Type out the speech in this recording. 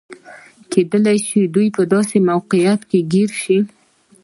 کېدای شي دوی په داسې موقعیت کې ګیر شي.